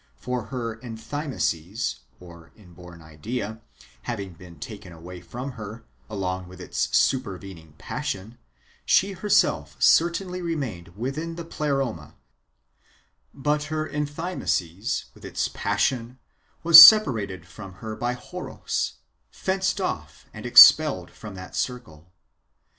For her enthymesis (or inborn idea) having been taken away from her, along with its supervening passion, she herself certainly remained within the Pleroma ; but her enthymesis, with its passion, was separated from her by Horos, fenced'^ off, and expelled from that circle.